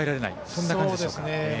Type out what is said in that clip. そんな感じでしょうか。